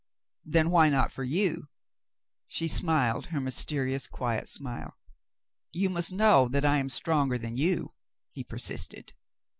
"Then why not for you ?" She smiled her mysterious, quiet smile. "You must know that I am stronger than you?" he persisted.